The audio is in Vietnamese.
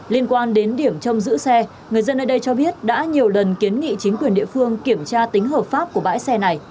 liên quan đến điểm trông giữ xe người dân ở đây cho biết đã nhiều lần kiến nghị chính quyền địa phương kiểm tra tính hợp pháp của bãi xe này